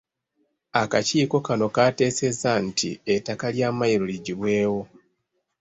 Akakiiko kano kaateesezza nti ettaka lya Mmayiro liggyibwewo.